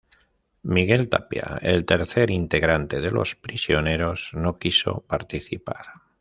Miguel Tapia, el tercer integrante de Los Prisioneros, no quiso participar.